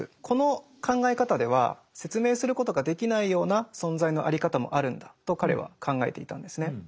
この考え方では説明することができないような存在のあり方もあるんだと彼は考えていたんですね。